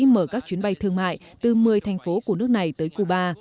mở các chuyến bay thương mại từ một mươi thành phố của nước này tới cuba